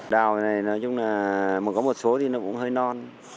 đào này nói chung là có một số thì nó cũng hơi non